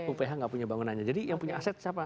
uph gak punya bangunan nya jadi yang punya aset siapa